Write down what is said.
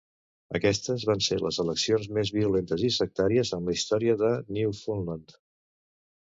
Aquestes van ser les eleccions més violentes i sectàries en la història de Newfoundland.